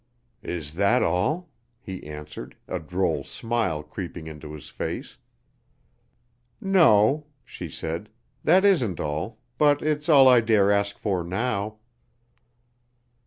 "Is that all?" he answered, a droll smile creeping into his face. "No," she said, "that isn't all; but it's all I dare ask for now."